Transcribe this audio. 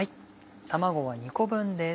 卵は２個分です。